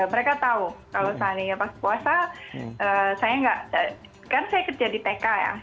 mereka tahu kalau saat ini ya pas puasa saya nggak kan saya kecil jadi tk ya